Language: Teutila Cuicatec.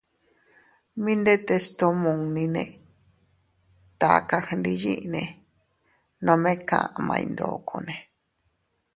Mi ndetes tomunnine taka gndiyinne nome kaʼmay ndokone.